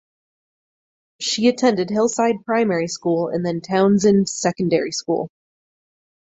She attended Hillside Primary School and then Townsend Secondary School.